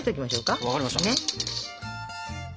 分かりました！